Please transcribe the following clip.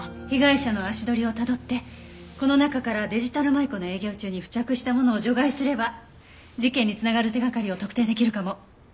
被害者の足取りをたどってこの中からデジタル舞子の営業中に付着したものを除外すれば事件に繋がる手掛かりを特定できるかも。